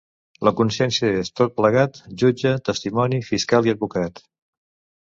La consciència és, tot plegat, jutge, testimoni, fiscal i advocat.